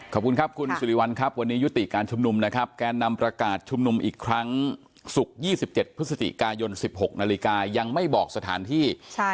ขอบคุณครับคุณสิริวัลครับวันนี้ยุติการชุมนุมนะครับแกนนำประกาศชุมนุมอีกครั้งศุกร์๒๗พฤศจิกายน๑๖นาฬิกายังไม่บอกสถานที่